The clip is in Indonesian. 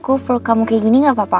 aku perut kamu kayak gini gak apa apa kan